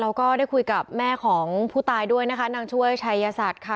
เราก็ได้คุยกับแม่ของผู้ตายด้วยนะคะนางช่วยชัยสัตว์ค่ะ